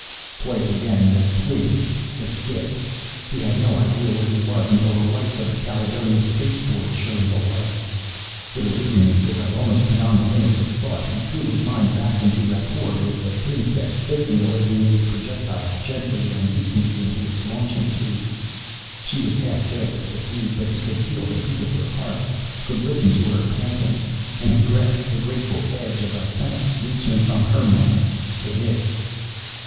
Twice again the twinge, the skip. He had no idea where he was until the lights of the Caledonia space board shone below. With a weariness that lay almost beyond the limits of thought, he threw his mind back into rapport with the pin set, fixing the Lady May's projectile gently and neatly in its launching tube. She was half dead with fatigue, but he could feel the beat of her heart, could listen to her panting, and he grasped the grateful edge of a thanks reaching from her mind to his.